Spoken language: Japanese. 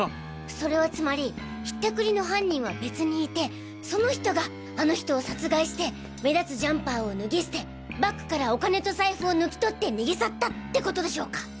それはつまり引ったくりの犯人は別にいてその人があの人を殺害して目立つジャンパーを脱ぎ捨てバッグからお金と財布を抜き取って逃げ去ったってことでしょうか？